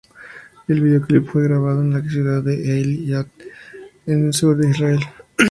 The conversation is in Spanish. El videoclip fue grabado en la ciudad de Eilat, en el sur de Israel.